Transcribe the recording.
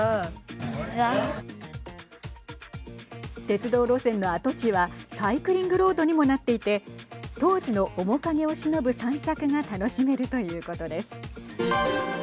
鉄道路線の跡地はサイクリングロードにもなっていて当時の面影をしのぶ散策が楽しめるということです。